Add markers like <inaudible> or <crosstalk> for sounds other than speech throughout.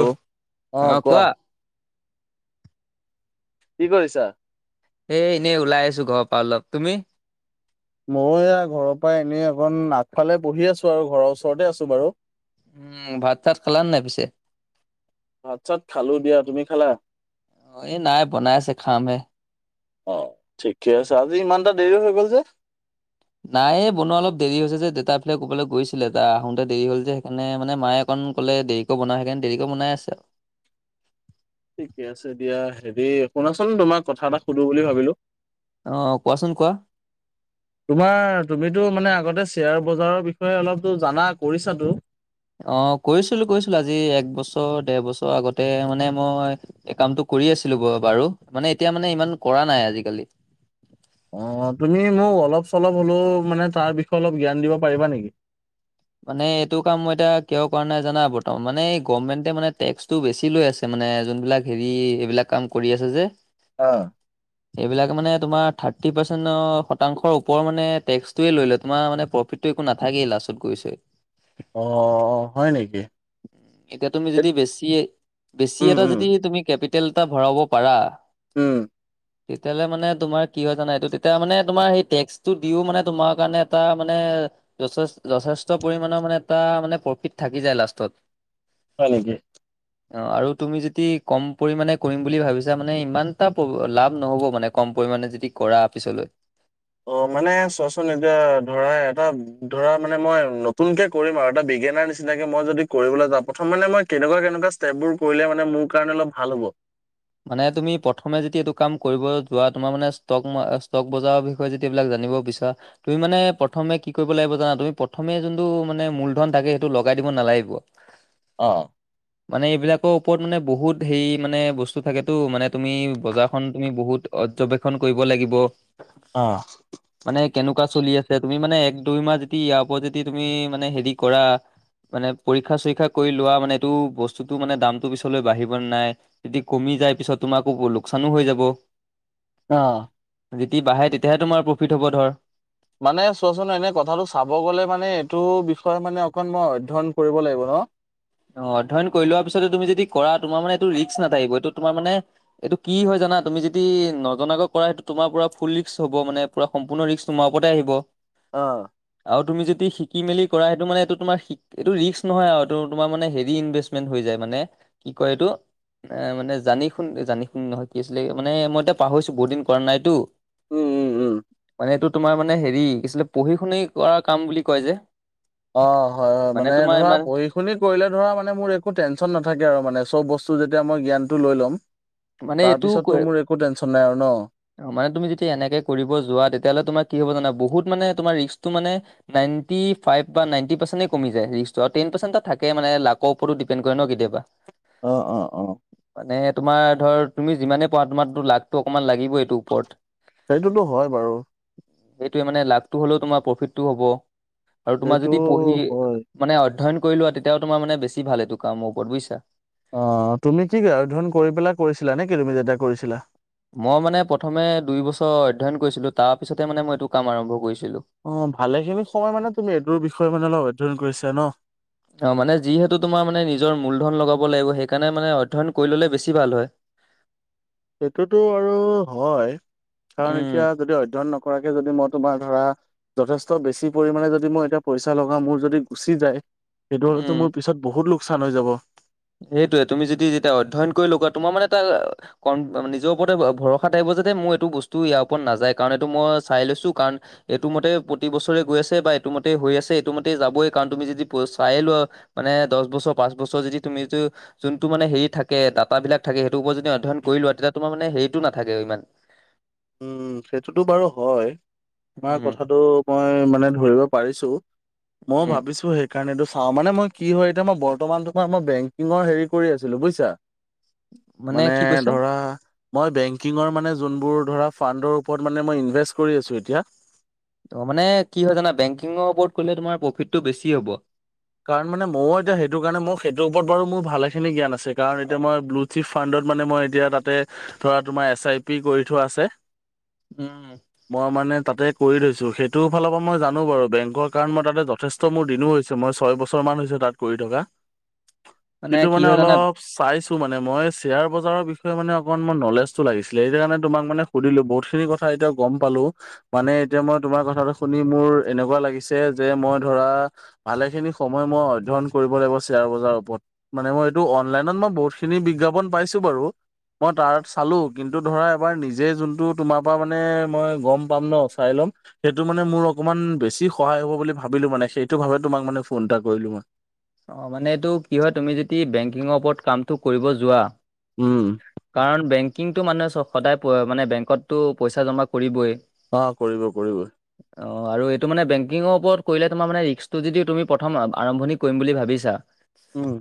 অ অ' কোৱা। কি কৰিছা? এ এনেই ওলাই আছোঁ ঘৰৰ পৰা অলপ। তুমি? মই এয়া ঘৰৰ পৰা এনেই অকন আগফালে বহি আছোঁ আৰু। ঘৰৰ ওচৰতে আছোঁ বাৰু। উম, ভাত-চাত খালানে নাই পিছে? ভাত-চাত খালোঁ দিয়া। তুমি খালা? অ' এ নাই। বনাই আছে, খামহে। অ' ঠিকে আছে। আজি ইমানটা দেৰি হৈ গ'ল যে? নাই, এ বনোৱা অলপ দেৰি হৈছে যে। দেউতা এফালে ক'ৰবালৈ গৈছিলে। এটা আহোতে দেৰি হ'ল যে, সেইকাৰণে মায়ে অক <unintelligible> ক'লে দেৰিকে বনাই সেইকাৰণে দেৰিকে বনাই আছে আ ঠিকে আছে দিয়া হেৰি শুনাচোন তোমাক কথা এটা সুধো বুলি ভাবিলো। আৰু অ কোৱাচোন কোৱা? তোমাৰ তুমিতো মানে আগতে শ্বেয়াৰ বজাৰৰ বিষয়ে অলপতো জানা, কৰিছাতো। অ' কৰিছিলোঁ - কৰিছিলোঁ। আজি এক বছৰ, দেৰ বছৰ আগতে মানে মই এই কামটো কৰি আছিলোঁ ব- বাৰু। মানে এতিয়া মানে ইমান কৰা নাই আজিকালি। <unintelligible> অ' তুমি মোক অলপ-চলপ হ'লেও মানে তাৰ বিষয়ে অলপ জ্ঞান দিব পাৰিবা নেকি? মানে এইটো কাম মই এতিয়া কিয় কৰা নাই জানা? বৰ্তমান মানে গভমেন্টে মানে টেক্সটো বেছি লৈ আছে ম মানে যোনবিলাক হেৰি এইবিলাক কাম কৰি আছে যে অ এইবিলাক মানে তোমাৰ থাৰ্টি পাৰ্চেণৰ শতাংশৰ ওপৰৰ মানে টেক্সটোৱে লৈ লয়। তোমাৰ মানে প্ৰফি একো নাথাকেই লাষ্টত, গৈ ছৈ। অ' - অ' হয় নেকি? এতিয়া তুমি যদি বেছি- বেছি উম এটা উম যদি তুমি কেপি টেল এটা ভৰাব পাৰা উম। তেতিয়ালে মানে তোমাৰ কি হয় জানা? এইটো তেতিয়া মানে তোমাৰ সেই টেক্সটো দিওঁ মানে তোমাৰ কাৰণে এটা মানে অ' যথেষ- যথেষ্ট পৰিমাণৰ মানে এটা মানে প্ৰফিট থাকি যায় লাষ্টত। হয় নেকি? অ' আৰু তুমি যদি কম পৰিমাণে কৰিম বুলি ভাবিছা মানে, ইমানটা প- লাভ নহ'ব মানে, কম পৰিমাণে যদি কৰা পিছলৈ। অ' মানে চোৱাচোন, এতিয়া ধৰা এটা ধৰা মানে মই নতুনকে কৰিম আৰু এটা বে গেনাৰ নিচিনাকে মই যদি কৰিবলৈ যাওঁ, প্ৰথম মানে মই কেনেকুৱা - কেনেকুৱা ষ্টেপবোৰ কৰিলে মানে মোৰ কাৰণে অলপ ভাল হ'ব? মানে তুমি প্ৰথমে যদি এইটো কাম কৰিব যোৱা, তোমাৰ মানে ষ্টক মা- ষ্টকবজাৰৰ বিষয়ে যেতিয়া এইবিলাক জা জানিব বিচৰা তুমি মানে প্ৰথমে কি কৰিব লাগিব জানা তুমি প্ৰথমে যোনটো মানে মূলধন থাকে সেইটো লগাই দিব নালাগিব। অ', মানে এইবিলাকৰ ওপৰত মানে বহুত হেৰি মানে বস্তু থাকেতো মানে তুমি বজাৰখন তুমি বহুত পৰ্যবেক্ষণ কৰিব লাগিব, অ', মানে কেনেকুৱা চলি আছে তুমি মানে এক দুই মাহ যদি ইয়াৰ ওপৰত যদি তুমি মানে হেৰি কৰা মানে পৰীক্ষা চৰীক্ষা কৰি লোৱা মানে এইটো বস্তুতটো মানে দামটো পিছলৈ বাঢ়িব নাই যদি কমি যায় পিছত তোমাৰ আকো লোকচানো হৈ যাব। অ', যেতি বাঢ়ে তেতিয়াহে তোমাৰ প্ৰফিট হ'ব ধৰ। মানে চোৱাচোন এনে কথাটো চাব গ'লে মানে এইটো বিষয়ে মানে অকন মই অধ্যয়ন কৰিব লাগিব ন অ', অ', অধ্যয়ন কৰি লোৱাৰ পিছতে তুমি যদি কৰা তোমাৰ মানে এইটো ৰিস্ক নাথাকিব এইটো তোমাৰ মানে, এইটো কি হয় জান না তুমি যদি নজনাকৈ কৰা সেইটো তোমাৰা ফুল ৰিস্ক হ'ব মানে সম্পূৰ্ণ ৰিস্ক তোমাৰ ওপতে আহিব। অ', আৰু তুমি যদি শিকি মেলি কৰা সেইটো মানে এইটো তোমাৰ শিক এইটো ৰিস্ক নহয় আৰু এইটো তোমাৰ মানে হেৰি ইনভেষ্টমেণ্ট হৈ যায় মানে, কি কয় এইটো এ মানে জানি শুনি জানি শুনি নহয় কি আছিলে মানে মই এতিয়া পাহৰিছো বহুত দিন কৰা নাইতো। উম, উম, উম, মানে এইটো তোমাৰ মানে হেৰি কি আছিল পঢ়িশুনি কৰা কাম বুলি কয় যে। অ', হয়, হয়, মানে তোমাৰ ধৰা ইমান পঢ়িশুনি কৰিলে ধৰা মানে মোৰ একো টেনশ্যন নাথাকে মানে চব বস্তুৰ যেতিয়া মই জ্ঞানটো লৈ ল'ম। মানে তাৰ এইটো পিছতো কৈ- মোৰ একো টেনচন নাই আৰু ন'? অ', মানে তুমি যেতিয়া এনেকে কৰিব যোৱা তেতিয়া হ'লে তোমাৰ কি হব জানা বহুত মানে তোমাৰ ৰিস্কটো মানে টা টুৱেন্টি ফাইভ বা নাএন্টি পাৰছেন্ত কমি যায় ৰিস্কত টেন পাৰছেন্ত এটা থাকে মানে লাকৰ ওৰত ডিপেণ্ড কৰে ন কেতিয়াবা। অ', অ, অ, মানে তোমাৰ ধৰ তুমি যিমানে পোৱা তোমাৰতো লাকটো অকণমান লাগিব এইটো ওপৰত সেইটোতো হয় বাৰু সেইটোৱে মানে লাভটো হ'লেও তোমাৰ প্ৰফিতটো হ'ব। আৰু তোমাৰ সেইটো যদি পঢ়ি, হয় মানে অধ্যয়ন কৰি লোৱা তেতিয়াও তোমাৰ মানে বেছি ভাল এইটো কামৰ ওপৰত বুজিছা। অ', তুমি কি অধ্যয়ন কৰি পেলাই কৰিছিলা নেকি তুমি যেতিয়া কৰিছিলা? মই মানে প্ৰথমে দুই বছৰ অধ্যয়ন কৰিছিলো তাৰ পিছতে মানে মই এইটো কাম আৰম্ভ কৰিছ অ', ভালেখিনি সময় মানে তুমি এইটোৰ বিষয়ে মানে অলপ অধ্যয়ন কৰিছা ন'? অ', মানে যিহেতু তোমাৰ মানে নিজৰ মূলধন লগাব লাগিব সেইকাৰণে মানে অধ্যয়ন কৰি ল'লে বেছি ভাল হয়। সেইটোতো আৰু হয়, কাৰণ উম এতিয়া যদি অধ্যয়ন নক কৰাকে যদি মই তোমাৰ ধৰা, যথেষ্ট বেছি পৰিমাণে যদি মই এতিয়া পইচা লগাম মোৰ যদি গুচি যায়। সেইটো হলেটো উম মোৰ পিছত বহুত লোকচান হৈ যাব। সেইটোয়ে তুমি যদি যেতিয়া অধ্যয়ন কৰি লগোৱা তোমাৰ মানে এটা <unintelligible> নিজৰ ওপৰতে ভৰসা টাইপ তে যেতিয়া মোৰ এইটো বস্তু ইয়াৰ ওপৰত নাযায় কাৰণ এইটো মই চাই লৈছো কাৰণ এইটো মতে প্ৰতি বছৰে গৈ আছে বা এইটো মতে হৈ আছে এইটো মতেই যাবই কাৰণ তুমি যদি প চাই লোৱা মানে দশ বছৰ পাঁচ বছৰ যদি তুমি যিটো যোনটো মানে হেৰি থাকে ডাটাবিলাক থাকে সেইটো ওপৰত যদি অধ্যয়ন কৰি লোৱা তেতিয়া তোমাৰ মানে হেৰিটো নাথাকে ইমান। উম, সেইটোতো বাৰু হয়, তোমাৰ উম কথাটো মই মানে ধৰিব পাৰিছোঁ, মই উম ভাবিছো সে কাৰণ এইটো চাওঁ মানে মই কি হয় এতিয়া মই বৰ্তমানটো মই বেংকিঙৰ হেৰি কৰি আছিলো বুজিছা। মানে কি কৈছা ধৰা, মই বেংকিঙৰ মানে যোনবোৰ ধৰা ফাণ্ডৰ ওপৰত মান মই ইনভেষ্ট কৰি আছোঁ এতিয়া ত' মানে কি হয় জানা বেংকিঙৰ ওপৰত কলে তোমাৰ প্ৰফিটটো বেছি হ'ব। কাৰণ মানে মইও এতিয়া সেইটো কাৰণে মোৰ সেইটোৰ ওপৰত বাৰু মোৰ ভালে খিনি জ্ঞান আছে কাৰণ এতিয়া মই ব্লুুথ থিফ ফাণ্ডত মানে মই এতিয়া তাতে ধৰা তোমাৰ এছ আই পি কৰি থোৱা আছে। উম মই মানে তাতে কৰি থৈছোঁ সেইটো ফালৰ পৰা মই জানো বাৰু বেংকৰ কাৰণ মই তাতে মোৰ যথেষ্ঠ দিনো হৈছে মই ছয় বছৰ মান হৈছে তাতে কৰি থকা কিন্তু কি মানে হয় জানা অলপ চাই চাইছো মানে মই শেয়াৰ বজাৰৰ বিষয়ে অকন মান নলেজটো লাগিছিল, সেইকাৰণে তোমাক মানে সুধিলো বহুত খিনি কথা এতিয়া গম পালো মানে এতিয়া মই তোমাৰ কথাটো শুনি মোৰ এনেকুৱা লাগিছে যে মই ধৰা ভালে খিনি সময় মূৰৰ অধ্যয়ন কৰিব লাগিব শ্বেয়াৰ বজাৰৰ ওপৰত, মানে মই এইটো অনলাইনত মই বহুতখিনি বিজ্ঞাপন পাইছো বাৰু মই তাৰক চালো কিন্তু ধৰা এবাৰ নিজে যোনটো তোমাৰ পৰা মানে মই গম পাম ন' চাই ল'ম সেইটো মানে মোৰ অকণমান বেছি সহায় হ'ব বুলি ভাবিলো মানে সেইটো ভাবে তোমাক মানে ফোন এটা কৰিলোঁ মই অ' মানে এইটো কি হয় তুমি যদি বেংকিঙৰ ওপৰত কামটো কৰিব যোৱা উম কাৰণ বেংকিঙটো মানে চাওঁক সদায় মানে বেংকতো পইচা জমা কৰিবই। অ কৰিব কৰিব অ', আৰু এইটো মানে বেংকিঙৰ ওপৰত কৰিলে তোমাৰ মানে ৰিক্সটো যদিও তুমি প্ৰথম আৰম্ভণি কৰিম বুলি ভাবিছা, উম,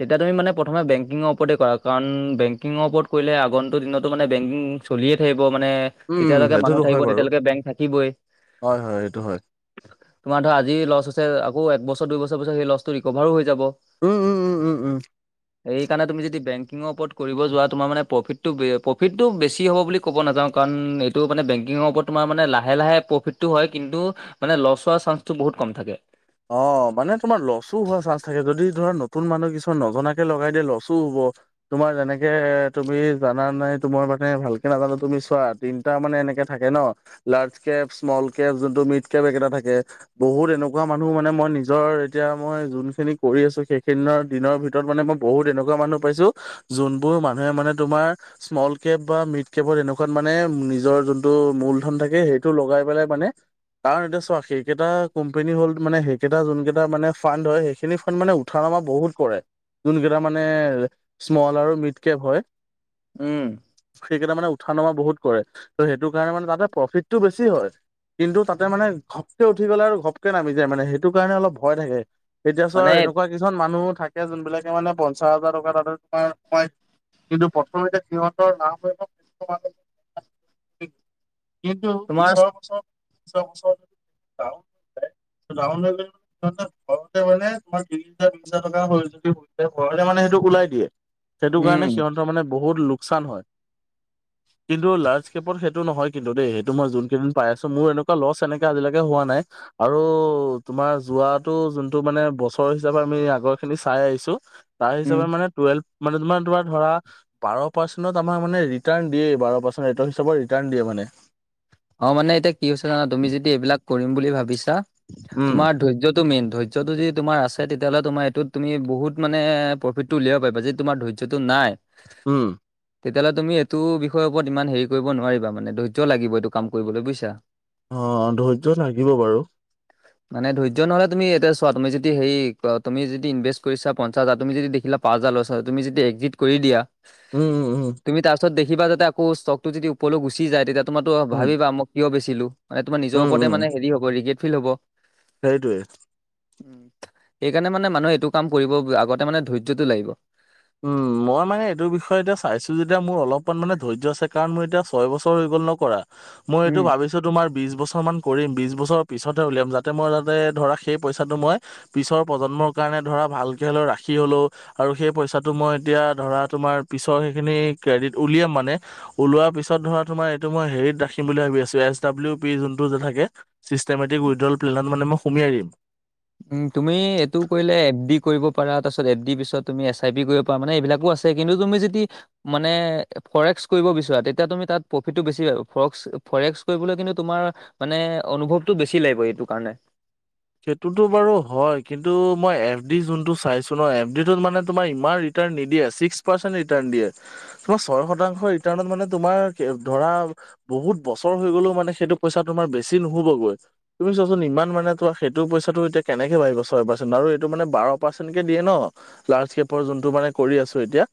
তেতিয়া তুমি মানে প্ৰথমে বেংকিঙৰ ওপৰতে কৰা, কাৰণ বেংকিঙৰ ওপৰত কৰিলে আগন্তু দিনতো মানে বেংকিং চলিয়ে থাকিব। মানে উম, যেতিয়ালৈকে মানুহ সেইটোতো থাকিব হয় বাৰু। তেতিয়ালৈকে বেংক থাকিবই। হয়, হয়, সেইটো হয়। তোমাৰ ধৰা আজি লছ হৈছে আকৌ একবছৰ দুই বছৰ পিছত সেই লষ্ট টো ৰিকভাৰো হৈ যাব। উম, উম, উম, উম, উম। এইকাৰণে তুমি যদি বেংকিঙৰ ওপৰত কৰিব যোৱা তোমাৰ মানে প্ৰফিটটো-প্ৰফিটটো বেছি হ'ব বুলি ক'ব নাযাওঁ কাৰণ টো মানে বেংকিংৰ ওপৰত তোমাৰ মানে লাহে-লাহে প্ৰফিটো হয়, কিন্তু মানে লষ্ট হোৱাৰ চাঞ্চ টো বহুত কম। কম থাকে। অ', মানে তোমাৰ লছো হোৱা চান্স থাকে যদি ধৰা নতুন মানুহ কিছুমান নজনাকে লগাই দিয়ে লচো হব তোমাৰ যেনেকে তুমি জানা নাই সেইটো মই মানে ভালকে নাজানোঁ, তুমি চোৱা তিনটা মানে তেনেকে থাকে ন? লাৰ্য কেপ, স্মল কেপ জোনটো মিদ কেপ তেনেকে থাকে, বহুত এনকা মানুহ মানে মই নিজৰ এতিয়া মই যোনখিনি কৰি আছোঁ, সেইখিনৰ দিনৰ ভিতৰত মানে মই বহুত এনেকুৱা মানুহ মানুহ পাইছোঁ, যোনবোৰ মানুহে মানে তোমাৰ স্মল কেপ বা মিড কেপত এনেকুৱাত মানে নিজৰ যোনটো মূলধন থাকে সেইটো লগাই পেলাই মানে কাৰণ এতিয়া চোৱা সেইকেইটা কোম্পানী হ'ল মানে সেইকেইটা যোন কেইটা মানে ফান এ সেখিনি ফান মানে উঠা নমা বহুত কৰে যোনকেইটা মানে স্মল আৰু মিড কেপ হয়, উম সেইকেইটা মানে উঠা নমা বহুত কৰে, ত' সেইটো কাৰণে মানে তাতে প্ৰফিতটো বেছি হয় কিন্তু তাতে মানে ঘপকে উঠি গ'লে আৰু ঘপকে নামি দিয়ে মানে সেইটো কাৰণে অলপ ভয় থাকে এতিয়া চোৱা মানে এনেকুৱা কিছুমান মানুহ থাকে যোনবিলাক মানে পঞ্চাশ হাজাৰ টকা তাতে তোমাৰ মই কিন্তু প্ৰথমতে সিহঁতৰ <unintelligible> কিন্তু তোমাৰ পিছৰ বছৰত পিছৰ বছৰত <inaudible> ঘৰতে মানে তোমাৰ <inaudible> তি হাজাৰ বিশ হাজাৰ টকা হয় যদি <inaudible> <unintelligible> মানে সেইটোক ওলাই দিয়ে, সেইটো কাৰণে উম সিহঁতৰ মানে বহুত লোকচান হয়। কিন্তু লাৰ্জ কেপৰ ক্ষেত্ৰ সেইটো নহয় কিন্তু দেই, সেইটো মই যোন কেইদিন পাই আছোঁ। মোৰ এনেকুৱা লছ এনেকে আজিলৈকে হোৱা নাই। আৰু তোমাৰ যোৱাটো যোনটো মানে বছৰ হিচাপে আমি আগৰ খিনি চাই আহিছোঁ, তাৰ উম হিচাপে মানে টুৱেলভ মানে তোমাৰ দোয়া ধৰা, বাৰঃ পাৰ্চেনট আমাৰ মানে ৰিটান দিয়ে বাৰঃ পাৰ্চেনত হিচাপত ৰিটান দিয়ে মানে। এ <unintelligible> অ মানে এতিয়া কি হৈছে জানা তুমি যদি এইবিলাক কৰিম বুলি ভাবিছা, উম তোমাৰ ধৰ্যটো মেইন। ধৈয্যটো যি তোমাৰ আছে তেতিয়া হ'লে তোমাৰ এইটোত তুমি বহুত মানে প্ৰফিটটো উলিয়াব পাৰিবা, যিহেতু তোমাৰ ধৈয্যটো নাই, উম। তেতিয়াহ'লে তুমি এইটো বিষয়ৰ ওপৰত ইমান হেৰি কৰিব নোৱাৰিবা মানে ধৈৰ্য লাগিব এইটো কাম কৰিবলৈ বুইছা? অ', ধৈৰ্য থাকিব বাৰু। মানে ধৈ্য্য নহ'লে তুমি এতিয়া চোৱা, তুমি যদি হেৰি তুমি যদি ইনভেষ্ট কৰিছা পঞ্চাছ হাজাৰ, তুমি যদি দেখিলা পাছহাজাৰ লছ হৈ, তুমি যেতি একজিত কৰি দিয়া উম, উম, তুমি তাৰপিছত দেখিবা যাতে আকৌ ষ্টকটো যদি ওপৰলৈ গুচি যায় তেতিয়া তোমাৰ ত উম, ভাবিবা মোক কিয় বেছি লোভ এ তোমাৰ নিজৰ ওপৰতে মানে হেৰি হ'ব ৰিগেট ফিল হব। সেইটোৱেই। ওম সেইকাৰণে মানে মানুহে এইটো কাম কৰিব আগতে মানে ধৈৰ্যটো লাগিব। উম মই মানে এইটো বিষয়তে চাইছো যেতিয়া মোৰ অলপমান মে ধৈৰ্য্য আছে কাৰণ মোৰ এতিয়া ছয় বছৰ হৈ গ'ল। নকৰা মই এইটো উম। ভাবিছো তোমাৰ বিছ বছৰ মান কৰিম বিছ বছৰ। পিছতহে উলিয়াম যাতে মই যাতে ধৰা সেই পইচাটো মই পিছৰ প্ৰজন্মৰ কাৰণে ধৰা ভালকে লৈ ৰাখি কি হ'লও আৰু সেই পইচা মই এতিয়া ধৰা তোমাৰ পিছৰ সেইখিনি ক্ৰডিদ উলিয়াম মানে উলোৱা পিছত ধৰা তোমাৰ সেটো মই হেৰিত ৰাখিম বুলি ভাবি আছো এছ দাব্লিউ পি যোনটো যে থাকে চিষ্টেমেটিক উইটড্ৰপ্লেনত মানে মই সুমিয়াই হেৰি। উ তুমি এইটো কৰিলে এফ বি কৰিব পাৰা তাৰ পিছত এফ বি পিছত তুমি এছ আই পি কৰিব পাৰা মানে এইবিলাকো আছে। কিন্তু তুমি যদি মানে ফৰেক্স কৰিব বিচৰা তেতিয়া তুমি তাত প্ৰফিত টো বেছি আৰু ফক্স। ফৰেক্স কৰিবলৈ কিন্তু তোমাৰ মানে অনুভৱটো বেছি লাগিব এইটো কাৰণে। সেইটোতো বাৰু হয় কিন্তু মই এফ ডি যোনটো চাইছো ন এফ ডি টোত মানে তোমাৰ ইমান ৰি কাৰ-ণ নিদিয়ে ছিক্স পাৰ্চেণ্ট ৰিৰ্টান দিয়ে তোমাক ছয় শতাংশ ৰিৰ্টানত মানে তোমাৰ কে ধৰা বহুত বছৰ হৈ গলেও মানে সেইটো পইচা তোমাৰ বেছি নহবগৈ তুমি চোৱাচোন ইমান মানে তো সেইটো পইচা টো এতিয়া কেনেকে বাঢ়িব ছয় পাৰ্চেণ্ট বাৰু এইটো মানে বাৰ পাৰ্চেণ্ট কে দিয়ে ন লাৰ্জ কেপৰ যোনটো মা কৰি আছো এতিয়া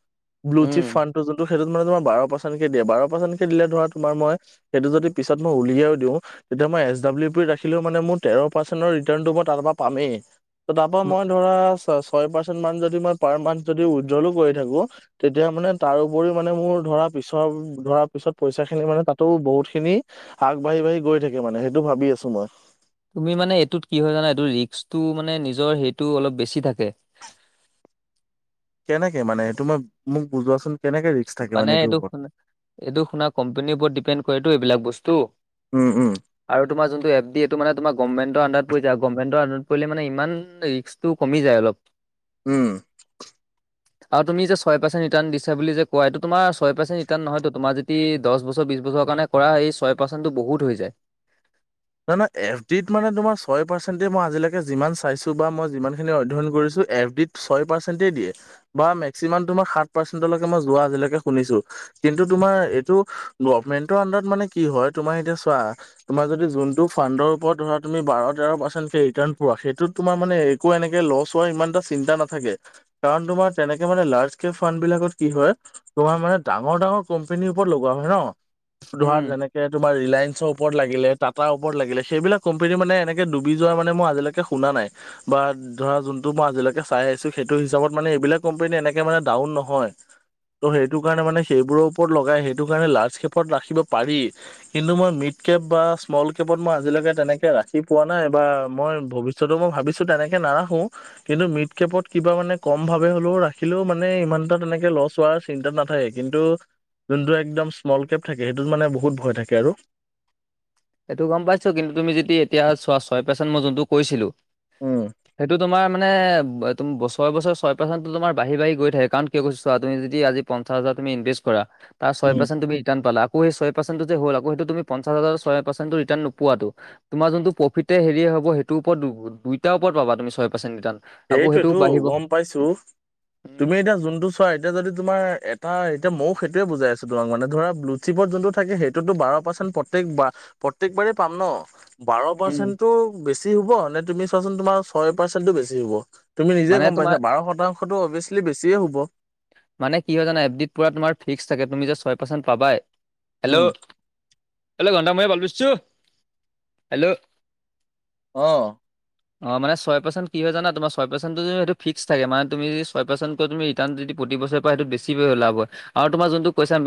ব্লুশ্বিপ উম ফানটো যোনটো। সেইটোনো তোমাৰ বাৰ পাৰ্চেন্ট কে দিয়ে বাৰ পাৰ্চেণ্ট কে দিলে ধৰা তোমাৰ মই সেইটো যদি পিছত মই উলিয়াও দিওঁ। তেতিয়া মই এছ ডাব্লিউ পি ৰাখিলো মানে মোৰ তেৰ পাৰ্চেণ্টৰ ৰিৰ্টানটো মই তাৰ পৰা পামেই। ত তাৰ পৰা ম- মই ধৰা ছ ছয় পাৰ্চেন্ট মান যদি মই পাৰ মান্থ যদি উড্ৰলো কৰি থাকো তেতিয়া মানে তাৰোওপৰি মানে মোৰ ধৰা পিছত ধৰা পিছত পইচা খিনি মানে তাতো বহুত খিনি হাৰ। আগ বাঢ়ি বাঢ়ি গৈ থাকে মানে সেইটো ভাবি আছো মই। তুমি মানে এইটোত কি হয় জানা এইটো ৰিস্কটো মানে নিজৰ সেইটো অলপ বেছি থাকে। কেনেকে মানে সেইটো মই মোক বুজোৱাচোন। কেনেকে ৰিস্ক থাকে মানে এইটোৰ এইটো ওপৰত? শুন এইটো শুনা কম্পেনীৰ ওপৰত ডিপেণ্ড কৰেটো এইবিলাক বস্তু। উম, উম, আৰু তোমাৰ যোনটো এফ ডি এইটো মানে তোমাৰ গমমেণ্টৰ আনদাৰত পৰি যায় গমমেণ্টৰ আনদাৰ কৰিলে মানে ইমান ৰিস্কটো কমি যায় অলপ। উম। আৰু তুমি যে ছয় পাচেন্ট ৰিতান দিছা বুলি যে। কোৱা এইটো তোমাৰ ছয় পাৰ্চেণ্ট ৰিটান নহয়তো তোমাৰ যদি দছ বছৰ বিছ বছৰ কাৰণে কৰা হয় এই ছয় পাৰ্চেণ্টটো বহুত হৈ যায়। <inaudible> নহয় নহয় এছ ডিত মানে তোমাৰ ছয় পাচেন্ট দিয়ে মই আজিলেকে যিমান চাইছো বা মই যিখিনি অধ্যয়ন কৰিছোঁ। এফ ডিত ছয় পাৰ্চেন্টে দিয়ে বা মেক্সিমাম তোমাৰ সাত পাৰ্চেন্টলৈকে মই যোৱা আজিলৈকে শুনিছোঁ। কিন্তু তোমাৰ এইটো গৰ্ভমেন্টৰ আন্ডাৰত মানে কি হয় তোমাৰ এতিয়া চোৱা তোমাৰ যদি যোন। টো ফানডৰ ওপৰত ধৰা তুমি বাৰ তেৰ পাৰ্চেণ্ট কে ৰিটান পোৱা সেইটোত তোমাৰ মানে একো এনেকে লচ' হোৱা ইমানটা ত চিন্তা নাথাকে কাৰণ তোমাৰ তেনেকে মানে লাৰ্জকে ফান বিলাকত কি হয় তোমাৰ মানে ডাঙৰ ডাঙৰ কোম্পেনীৰ ওপৰত লগোৱা হয় ন ধৰা উম। যেনেকে তোমাৰ ৰিলাইনঞ্চৰ ওপৰত লাগিলে তাপা তাৰ ওপৰত লাগিলে সেইবিলাক কোম্পনী মানে এনেকে ডুবি যোৱা মানে মই আজিলৈকে শুনা নাই বা ধৰা যোনটো মই আজিলেকে চাই আহিছো সেইটো হিচাপত মানে এইবিলাক কম্পেনী এনেকে মানে ডাউন নহয়। ত' সেইটো কাৰণে মানে সেইবোৰৰ ওপৰত লগাই সেইটো কাৰণে লাৰ্জ কেপত ৰাখিব পাৰি কিন্তু মই মেইট কেপ বা স্মল কেপত মই আজিলেকে তেনেকে ৰাখি পোৱা নাই বা মই ভৱিষ্যতে মই ভাবিছো তেনেকে নাৰাখো কিন্তু মিড কেপত কিবা মানে কম ভাৱে হ'লেও ৰাখিলেও মানে ইমানটা তেনেকে লছ হোৱাৰ চিন্তা নাথাক কিন্তু যোনটো একদম স্মল কেপ থাকে সেইটোত মানে বহুত ভয় থাকে আৰু সেইটো গম পাইছো কিন্তু তুমি যদি এতিয়া চোৱা ছয় মই যোনতো কৈছিলো উম, সেইটো তোমাক মানে তুম বছৰে বছৰে ছয় পাৰ্চেণ্টটো তোমাৰ বাঢ়ি বাঢ়ি গৈ থাকে কাৰণ কিয় কৈছো চোৱা তুমি যদি আজি পঞ্চাছ জাৰ তুমি ইনভেষ্ট কৰা তা ছয় পাৰ্চেণ্ট তুমি ৰিটাৰ্ণ পালা আকৌ সেই ছয় পাৰ্চেণ্ট টো যে হ'ল আকৌ সেইটো তুমি পঞ্চাছ হাজাৰ ছয়ে পাৰচেনটো ৰিটাৰ্ণ নোপোৱাতো তোমাৰ যোনটো প্ৰফিটে হেৰি হব সেইটো ওপৰত দুই দুইটাৰ ওপৰত পাবা তুমি ছয় পাৰছেন ৰিটাৰ্ণ। আকৌ সেইটোও সেইটোৱেটো বাঢ়িব গম পাইছো, তুমি এতিয়া যোনটো চোৱা এতিয়া যদি তোমাৰ এটা এইটো মইয়ো সেইটোৱে বুজাই আছো তোমাক মানে ধৰা ব্লু থিপত যোনটো থাকে সেইটোতো বাৰ পাৰ্চেণ্ট প্ৰতেক বা প্ৰত্যেকবাৰেই পাম ন'? বাৰ উম পাৰ্চেণ্টটো বেছি হব নে তুমি চোৱাচোন তোমাৰ ছয় পাৰ্চেন্টো বেছি হব। তুমি নিজে মানে গম তোমাৰ পাইছা বাৰ শতাংশতটো অবিয়েছলি বেছিয়ে হ'ব। মানে কি হয় জানা এফ ডিত পুৰা তোমাৰ ফিক্স থাকে তুমি জাষ্ট ছয় পাৰ্চেণ্ট পাবাই। হেল্ল' উম, হেল্ল <unintelligible> হেল্ল' অ', অ', মানে ছয় পাৰ্চেণ্ট কি হয় জানা তোমাৰ ছয় পাৰ্চেণ্টটো যে ফিক্স থাকে মানে তুমি ছয় পাৰ্চেণ্টটো যদি ৰিটাৰ্ণ যদি প্ৰতি বছৰে <unintelligible> সেইটো বেছি লাভ হয়, আৰু তোমাৰ যোনটো কৈছা